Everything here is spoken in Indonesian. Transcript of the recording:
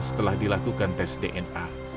setelah dilakukan tes dna